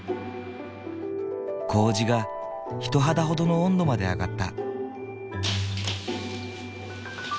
麹が人肌ほどの温度まで上がった。